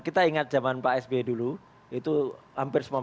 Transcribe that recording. kita ingat jaman pak sbi dulu itu hampir semua masuk